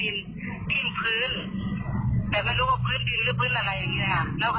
ทิ้งพื้นแต่ไม่รู้ว่าพื้นดินหรือพื้นอะไรอย่างเงี้ยค่ะแล้วก็